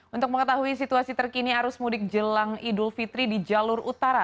untuk mengetahui situasi terkini arus mudik jelang idul fitri di jalur utara